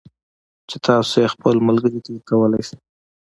چې تاسو یې خپل ملگري ته ورکولای شئ